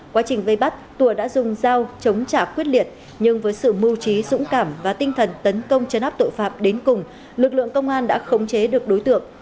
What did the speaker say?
quá trình vây bắt tùa đã dùng dao chống trả quyết liệt nhưng với sự mưu trí dũng cảm và tinh thần tấn công chấn áp tội phạm đến cùng lực lượng công an đã khống chế được đối tượng